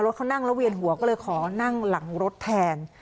เขานั่งแล้วเวียนหัวก็เลยขอนั่งหลังรถแทน